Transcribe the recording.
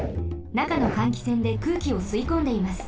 なかの換気扇で空気をすいこんでいます。